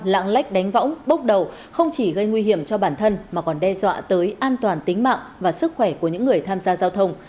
lạng lách đánh võng bốc đầu không chỉ gây nguy hiểm cho bản thân mà còn đe dọa tới an toàn tính mạng và sức khỏe của những người tham gia giao thông